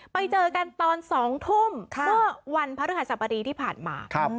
ไปเจอกันตอน๒ทุ่มเมื่อวันพระฤหัสบดีที่ผ่านมา